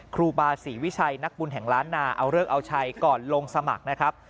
ครูบาศรีวิชัยนักบุญแห่งล้านนาเอาเลิกเอาชัยก่อนลงสมัครนะครับ